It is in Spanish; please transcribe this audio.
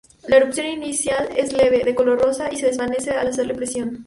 La erupción inicial es leve, de color rosa y se desvanece al hacerle presión.